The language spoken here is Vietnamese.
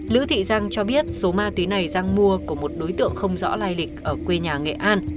lữ thị giang cho biết số ma túy này giang mua của một đối tượng không rõ lai lịch ở quê nhà nghệ an